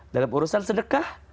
dalam urusan sedekah